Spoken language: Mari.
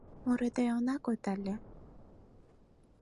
Мурыде она код але.